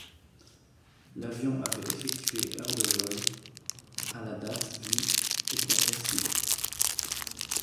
L'avion avait effectué heures de vol à la date du et comptait cycles.